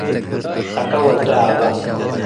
ሰከ ወልዱ ዓበ።